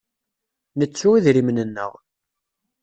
Nettu idrimen-nneɣ.